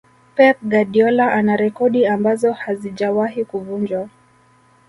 pep guardiola ana rekodi ambazo hazijawahi kuvunjwa